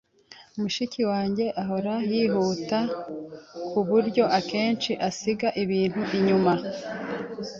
Mushiki wanjye ahora yihuta kuburyo akenshi asiga ibintu inyuma.